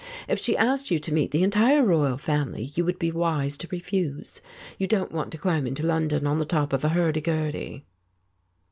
If she asked you to meet the entire Royal Family, you would be wise to refuse. You don't want to climb into London on the top of a hurdy gurdy."